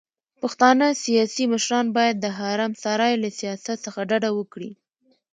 پښتانه سياسي مشران بايد د حرم سرای له سياست څخه ډډه وکړي.